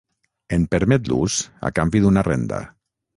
En permet l'ús a canvi d'una renda.